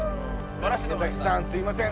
池崎さんすいません。